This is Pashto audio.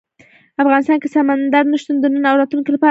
افغانستان کې سمندر نه شتون د نن او راتلونکي لپاره ارزښت لري.